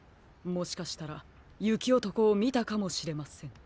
もしかしたらゆきおとこをみたかもしれません。